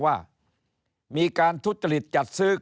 ว่ามีการทุจริตจัดซื้อ